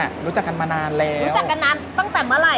ไปจีบเขาหรือเขาจีบเรา